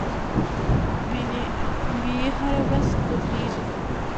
بیې هره ورځ بدلیږي.